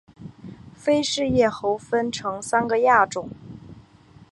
菲氏叶猴分成三个亚种